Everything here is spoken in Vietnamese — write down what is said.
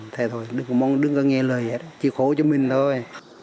thế thôi đừng có nghe lời hết chỉ khổ cho mình thôi